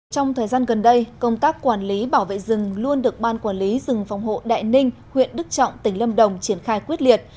trong thời gian gần đây công tác quản lý bảo vệ rừng luôn được ban quản lý rừng phòng hộ đại ninh huyện đức trọng tỉnh lâm đồng triển khai quyết liệt